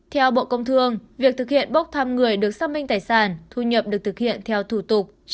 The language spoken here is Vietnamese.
theo bộ công thương việc thực hiện bốc thăm người được xác minh tài sản thu nhập được thực hiện theo thủ tục